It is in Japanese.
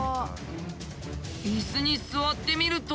椅子に座ってみると。